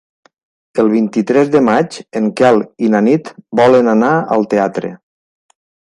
El vint-i-tres de maig en Quel i na Nit volen anar al teatre.